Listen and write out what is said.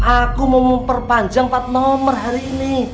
aku mau memperpanjang empat nomor hari ini